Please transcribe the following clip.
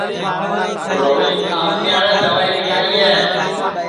روہیت آوتیاٹؔے دئوائی لی آئیئے